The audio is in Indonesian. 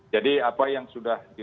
jadi apa yang sudah dirumuskan